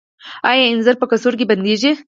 آیا انځر په کڅوړو کې بندیږي؟